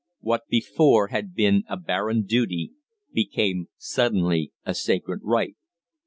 What before had been a barren duty became suddenly a sacred right.